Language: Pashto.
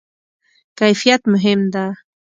کیفیت مهم ده؟